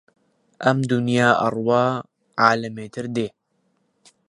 ئەم دونیا ئەڕوا عالەمێتر دێ